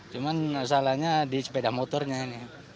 cuma masalahnya di sepeda motornya ini